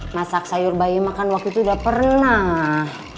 masak sayur bayi makan waktu itu udah pernah